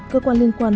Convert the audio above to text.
cơ quan liên quan